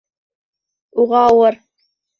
Уға ауыр.